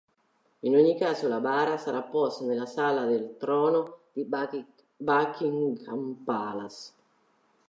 In ogni caso la bara sarà posta nella Sala del trono di Buckingham Palace.